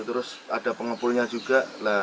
terus ada pengepulnya juga